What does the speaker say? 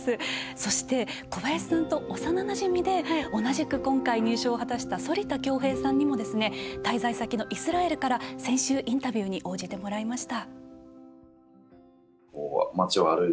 そして、小林さんと幼なじみで同じく今回、入賞を果たした反田恭平さんにも滞在先のイスラエルから先週、インタビューに応じてもらいました。